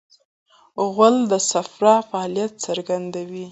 غول د صفرا فعالیت څرګندوي.